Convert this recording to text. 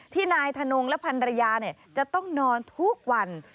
นายธนงและพันรยาจะต้องนอนทุกวัน